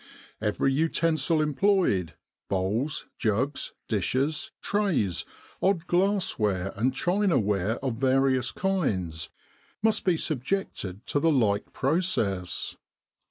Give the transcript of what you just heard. Every utensil employed bowls, jugs, dishes, trays, odd glass ware and china ware of various kinds must be subjected to the like process.